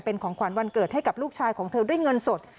เป็นของขวัญวันเกิดให้กับลูกชายของเธอด้วยเงินสด